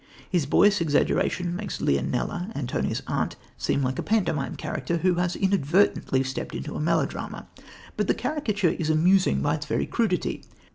His boyish exaggeration makes Leonella, Antonia's aunt, seem like a pantomime character, who has inadvertently stepped into a melodrama, but the caricature is amusing by its very crudity.